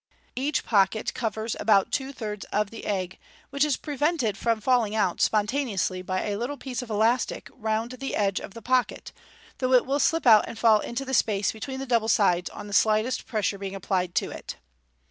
Each pocket covers about two* thirds of the egg, which is 3*8 MODERN MAGIC prevented from falling out spontaneously by a little piece of elastic round the edge of the pocket, though it will slip out and fall into the space between the double sides on the slightest pressure being applied to it.